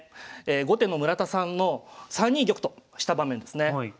後手の村田さんの３二玉とした場面ですね。